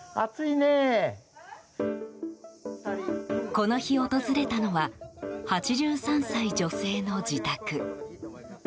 この日、訪れたのは８３歳女性の自宅。